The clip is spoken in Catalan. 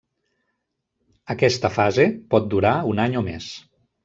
Aquesta fase pot durar un any o més.